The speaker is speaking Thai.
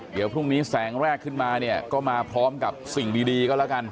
เดี๋ยวพรุ่งนี้แสงแรกขึ้นมาเนี่ยก็มาพร้อมกับสิ่งดีก็แล้วกัน